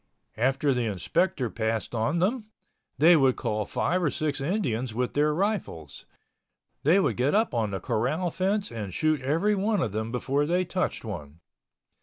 After the inspector passed on them, they would call five or six Indians with their rifles. They would get up on the corral fence and shoot every one of them before they touched one.